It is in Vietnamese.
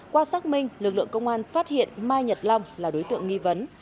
qua xác minh lực lượng công an phát hiện mai nhật long là đối tượng nghi vấn